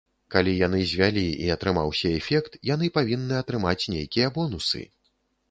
Калі яны звялі і атрымаўся эфект, яны павінны атрымаць нейкія бонусы.